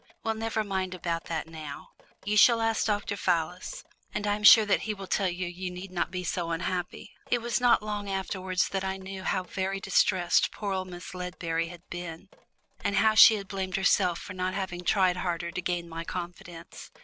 "Well, never mind about that now. You shall ask Dr. Fallis, and I am sure he will tell you you need not be so unhappy." It was not till long afterwards that I knew how very distressed poor old Miss Ledbury had been, and how she had blamed herself for not having tried harder to gain my confidence.